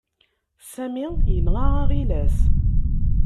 Sami yenɣa aɣilas.